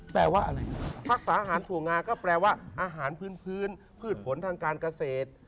แปลว่าอะไรครับภาษาอาหารถั่วงาก็แปลว่าอาหารพื้นพืชผลทางการเกษตร